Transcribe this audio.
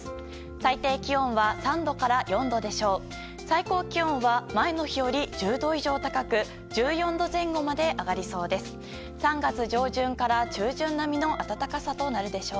最低気温は３度から４度でしょう。